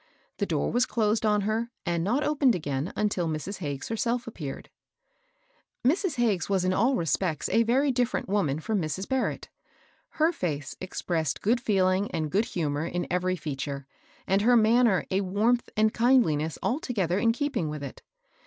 The door was closed on her, and not opened again until Mrs. Hagges herself appeared. Mrs. Hagges was in all respects a very diflFerent woman from Mrs. Barrett. Her fece expressed good feeling and good humor in every feature, and her manner a warmth and kindliness alto gether in keeping with it.